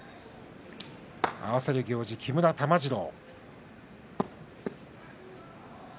合わせる行司木村玉治郎。